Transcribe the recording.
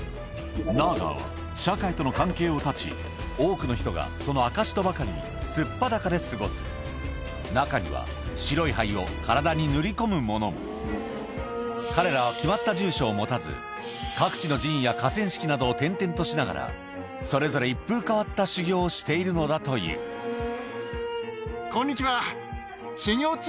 ナーガーは社会との関係を断ち多くの人がその証しとばかりに素っ裸で過ごす中には白い灰を体に塗り込む者も彼らは各地の寺院や河川敷などを転々としながらそれぞれ一風変わった修行をしているのだというこんにちは！